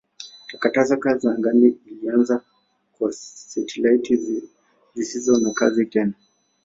Takataka ya angani ilianza kwa satelaiti zisizo na kazi tena.